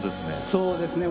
そうですね。